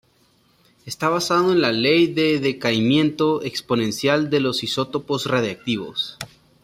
Está basado en la ley de decaimiento exponencial de los isótopos radiactivos.